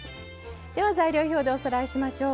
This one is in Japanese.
材料表でおさらいしましょう。